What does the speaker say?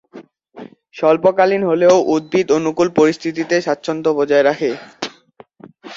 স্বল্প-কালীন হলেও উদ্ভিদ অনুকূল পরিস্থিতিতে স্বাচ্ছন্দ্য বজায় রাখে।